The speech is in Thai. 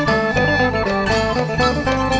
โชว์ฮีตะโครน